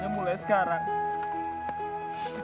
ada apa ini